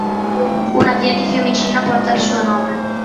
Una via di Fiumicino porta il suo nome.